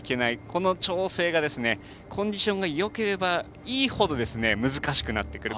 この調整がコンディションがよければいいほど、難しくなってくる。